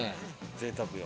ぜいたくよ。